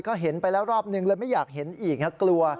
ก็เห็นไปแล้วรอบนึงเลยไม่อยากเห็นอีกกลัว